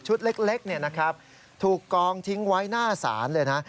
เล็กถูกกองทิ้งไว้หน้าศาลเลยนะ